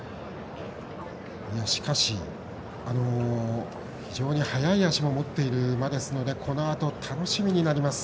しかし、非常に速い脚を持っている馬ですのでこのあと楽しみになります。